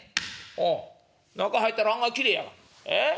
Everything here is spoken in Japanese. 「おお中入ったら案外きれいやわええ？